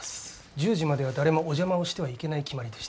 １０時までは誰もお邪魔をしてはいけない決まりでして。